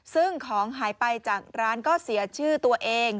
ซึ่งของหายไปจากร้านก็เสียชื่อตัวเอง